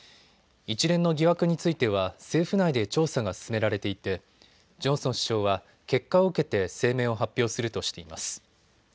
一連の疑惑については政府内で調査が進められていてジョンソン首相は結果を受けて声明を発表するとしています。